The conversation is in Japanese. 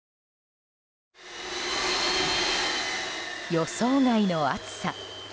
予想外の暑さ。